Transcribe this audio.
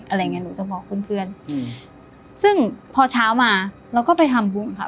อะไรอย่างเงี้หนูจะบอกเพื่อนเพื่อนอืมซึ่งพอเช้ามาเราก็ไปทำบุญค่ะ